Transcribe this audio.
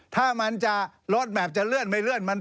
ถ้ามันจะลดแบบจะเลื่อนไม่เลื่อน